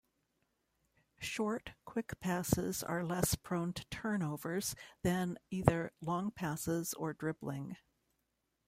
Short, quick passes are less prone to turnovers than either long passes or dribbling.